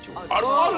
ある！